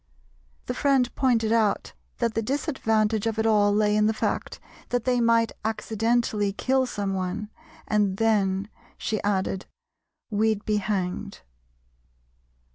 The friend pointed out that the disadvantage of it all lay in the fact that they might accidentally kill someone, and "then," she added, "we'd be hanged."